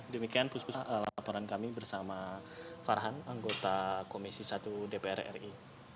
demikian puspa laporan kami bersama farhan anggota komisi satu dpr ri